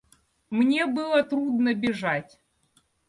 Мне было трудно бежать.